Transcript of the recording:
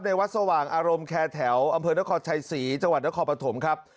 วัดสว่างอารมณ์แคร์แถวอำเภอนครชัยศรีจังหวัดนครปฐมครับ